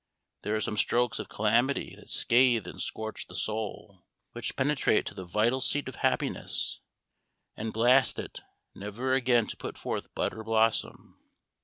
There are some strokes of calamity that scathe and scorch the soul which penetrate to the vital seat of happiness and blast it, never again to put forth bud or blossom.